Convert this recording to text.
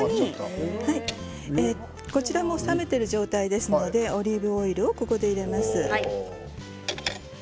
こちらも冷めている状態ですのでオリーブオイルを入れます。